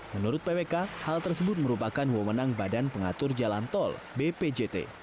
menurut ppk hal tersebut merupakan hua menang badan pengatur jalan tol bpjt